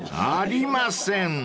［ありません！］